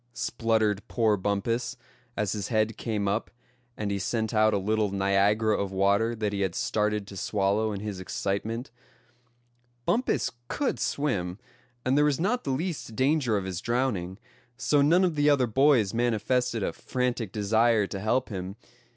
spluttered poor Bumpus, as his head came up, and he sent out a little Niagara of water that he had started to swallow in his excitement. Bumpus could swim, and there was not the least danger of his drowning; so none of the other boys manifested a frantic desire to help him.